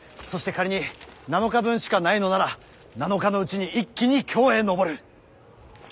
そして仮に７日分しかないのなら７日のうちに一気に京へ上る。